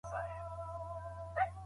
دروني ځواک مو د ستونزو په وړاندي ډال دی.